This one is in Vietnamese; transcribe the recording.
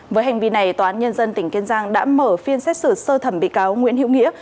với hành vi này tòa án nhân dân tỉnh kiên giang đã mở phiên xét xử sơ thẩm bị cáo nguyễn hữu nghĩa